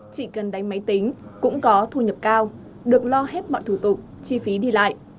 chỉ cần đánh máy tính cũng có thu nhập cao được lo hết mọi thủ tục chi phí đi lại